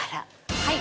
はい。